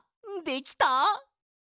できた！